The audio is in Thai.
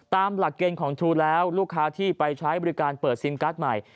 ตามหลักเกณฑ์ของทรูแล้วลูกค้าที่ไปใช้บริการเปิดซิมการ์ดใหม่